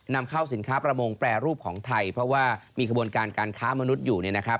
นำเข้าสินค้าประมงแปรรูปของไทยเพราะว่ามีกระบวนการการค้ามนุษย์อยู่